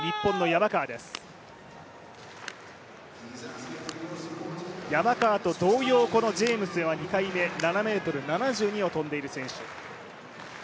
山川と同様、このジェームスは２回目７ｍ７２を跳んでいる選手。